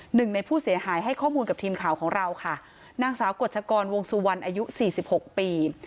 หนึ่งในผู้เสียหายให้ข้อมูลกับทีมข่าวของเราค่ะนางสาวกฎชกรวงสุวรรณอายุสี่สิบหกปี